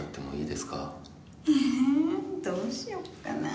どうしようかな？